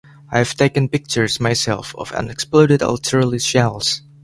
I have taken pictures myself of unexploded artillery shells.